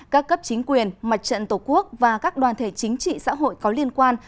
các cấp chính quyền mặt trận tổ quốc và các đoàn thể chính trị xã hội có liên quan